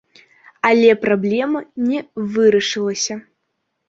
Але праблема не вырашылася.